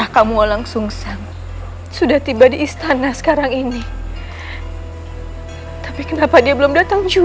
kalo kau ikut sama berarti kau melatangku